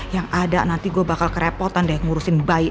yang ada nanti gue bakal kerepotan deh ngurusin bayi